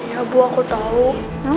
ya bu aku tau